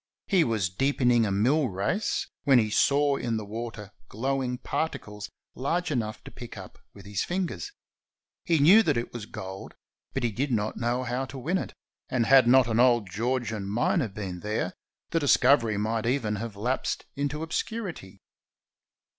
He was deepening a mill race, when he saw in the water glowing particles large enough' to pick up with his fin gers. He knew that it was gold, but he did not know how to win it, and had not an old Georgian miner been there, the discovery might even have lapsed into obscurity.